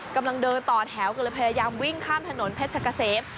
กำลังเดินต่อแถวกันเลยพยายามวิ่งข้ามถนนเพชรกะเสม